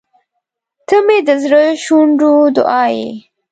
• ته مې د زړه شونډو دعا یې.